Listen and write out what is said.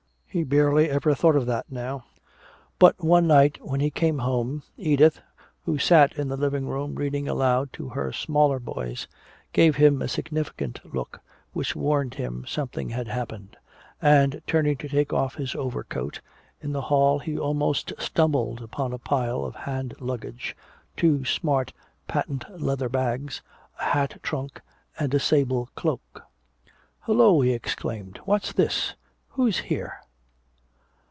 He barely ever thought of that now. But one night when he came home, Edith, who sat in the living room reading aloud to her smaller boys, gave him a significant look which warned him something had happened. And turning to take off his overcoat, in the hall he almost stumbled upon a pile of hand luggage, two smart patent leather bags, a hat trunk and a sable cloak. "Hello," he exclaimed. "What's this? Who's here?"